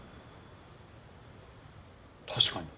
確かに。